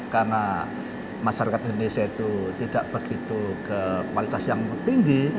karena masyarakat indonesia itu tidak begitu ke kualitas yang tinggi